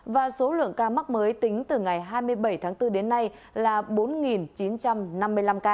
và số lượng ca mắc mới tính từ ngày hai mươi bảy tháng bốn đến nay là bốn chín trăm năm mươi năm ca